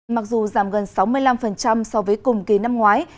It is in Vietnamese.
mặc dù giảm gần sáu mươi năm so với cùng kỳ năm ngoái